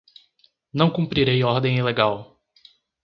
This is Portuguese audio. Não cumprirei ordem ilegal